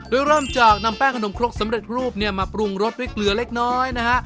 โดยเริ่มจากนำแป้งขนมครกสำเร็จรูปเนี่ยมาปรุงรสด้วยเกลือเล็กน้อยนะฮะ